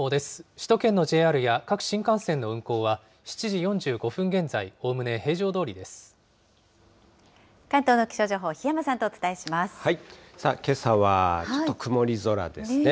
首都圏のＪＲや各新幹線の運行は、７時４５分現在、関東の気象情報、さあ、けさはちょっと曇り空ですね。